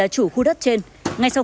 à cua dây kéo tôn đúng không